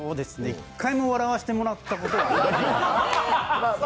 一回も笑わせてもらったことがない。